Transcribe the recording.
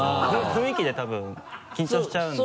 雰囲気で多分緊張しちゃうんで。